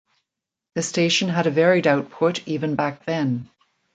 The station had a varied output even back then.